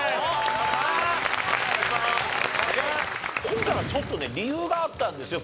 今回はちょっとね理由があったんですよ